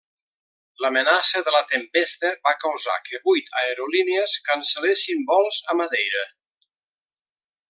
L'amenaça de la tempesta va causar que vuit aerolínies cancel·lessin vols a Madeira.